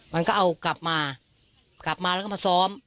มันก็เอากลับมากลับมาแล้วก็มาซ้อม